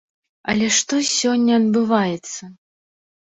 Але што сёння адбываецца?